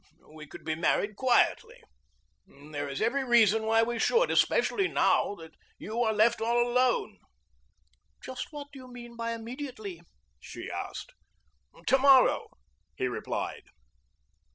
We could be married quietly. There is every reason why we should, especially now that you are left all alone." "Just what do you mean by immediately?" she asked. "To morrow," he replied.